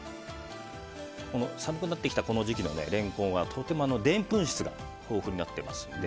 寒くなってきたこの時期のレンコンはとても、でんぷん質が豊富になっていますので。